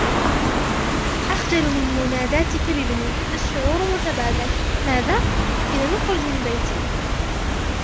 أخجل من مناداتك بابني. "الشعور متبادل". "ماذا؟ إذن اخرج من بيتي!".